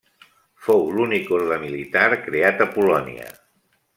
Fou l'únic orde militar creat a Polònia.